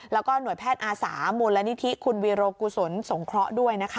แล้วก็หน่วยแพทย์อาสามูลนิธิคุณวีโรกุศลสงเคราะห์ด้วยนะคะ